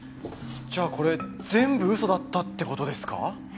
じゃあこれ全部嘘だったって事ですか？